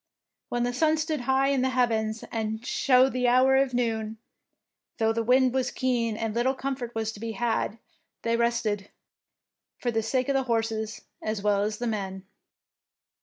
When the sun stood high in the heavens and showed the hour of noon, though the wind was keen and little comfort was to be had, they rested, for the sake of the horses as well as the men.